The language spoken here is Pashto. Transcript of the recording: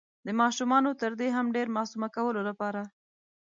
د ماشومانو تر دې هم ډير معصومه کولو لپاره